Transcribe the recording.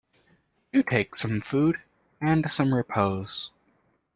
Do take some food, and some repose.